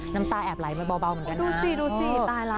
น้ำตาแอบไหลมาเบาเหมือนกันนะ